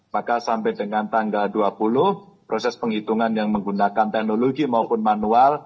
maka sampai dengan tanggal dua puluh proses penghitungan yang menggunakan teknologi maupun manual